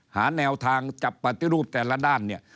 หาแนวทางจับปฏิรูปแต่ละด้านเนี่ย